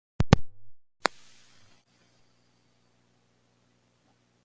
Al tiempo que sucede esto último, la niña de Wyoming muere.